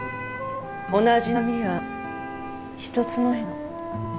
同じ波は１つもないの。